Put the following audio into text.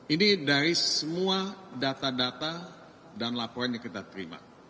ini dari semua data data dan laporan yang kita terima